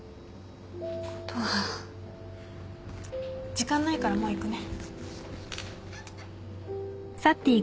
時間ないからもう行くね。